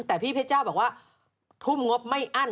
แต่พี่เพชรเจ้าบอกว่าทุ่มงบไม่อั้น